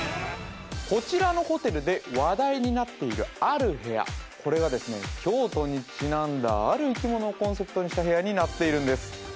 こちらのホテルで話題になっているある部屋これがですね京都にちなんだある生き物をコンセプトにした部屋になっているんです